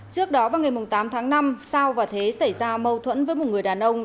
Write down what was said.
trước đó vào ngày tám tháng năm sao và thế xảy ra mâu thuẫn với một người đàn ông